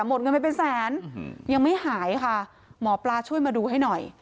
หมดเงินไปเป็นแสนยังไม่หายค่ะหมอปลาช่วยมาดูให้หน่อย